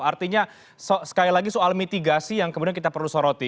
artinya sekali lagi soal mitigasi yang kemudian kita perlu soroti